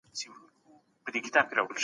زه هر وخت بازۍ نه کوم.